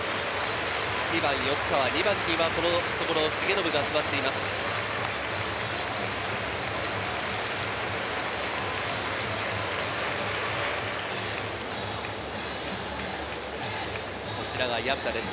１番・吉川、２番にはこのところ重信が座っています。